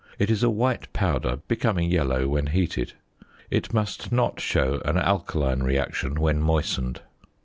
It is a white powder, becoming yellow when heated. It must not show an alkaline reaction when moistened.